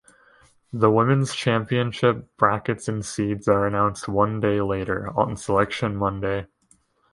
The women's championship brackets and seeds are announced one day later, on Selection Monday.